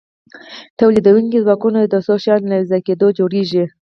تولیدونکي ځواکونه د څو شیانو له یوځای کیدو جوړیږي.